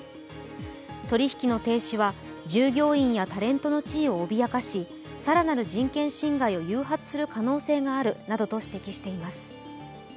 取引の停止は従業員やタレントの地位を脅かし更なる人権侵害を誘発する可能性があるなどと指摘しています。